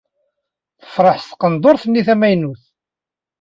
Tefṛeḥ s tqendurt-nni tamaynut.